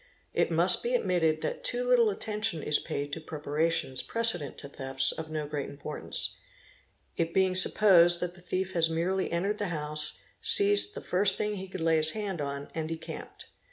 It must be admitted that too — little attention is paid to preparations precedent to thefts of no great — importance, it being supposed that the thief has merely entered the house, seized the first thing he could lay his hand on, and decamped.